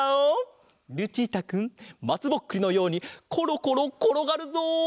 ルチータくんまつぼっくりのようにコロコロころがるぞ！